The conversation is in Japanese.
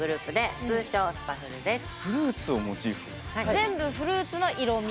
全部フルーツの色味？